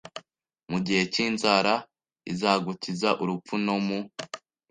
Mu gihe cy inzara izagukiza urupfu No mu